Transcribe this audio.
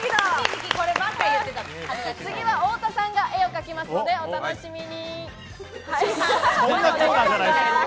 次は太田さんが絵を描きますのでお楽しみに。